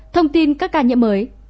thông tin các ca nhiễm mới